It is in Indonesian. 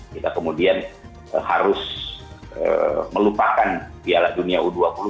kita kemudian harus melupakan piala dunia u dua puluh